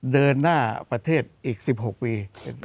เดินหน้าประเทศอีกสิบหกปี